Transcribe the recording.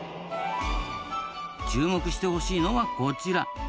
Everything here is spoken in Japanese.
注目してほしいのがこちら。